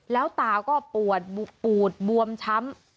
แล้วตาก็ปวดปูดบวมช้ำ